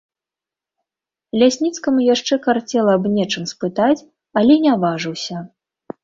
Лясніцкаму яшчэ карцела аб нечым спытаць, але не важыўся.